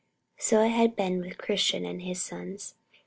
So had it been with Christian and his sons.